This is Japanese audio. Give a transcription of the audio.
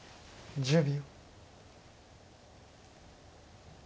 １０秒。